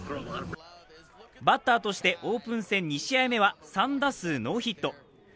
バッターとしてオープン戦２試合目は３打数ノーヒット。